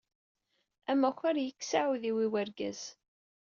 Amakar yekkes aɛudiw i wergaz.